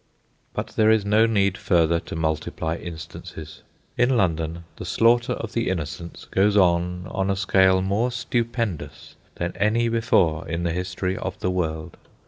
But there is no need further to multiply instances. In London the slaughter of the innocents goes on on a scale more stupendous than any before in the history of the world.